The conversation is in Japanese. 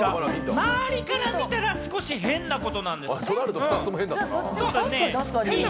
周りから見たら少し変なことなんです。